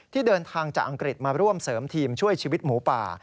เดินทางจากอังกฤษมาร่วมเสริมทีมช่วยชีวิตหมูป่า